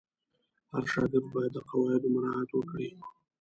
هر شاګرد باید د قواعدو مراعت وکړي.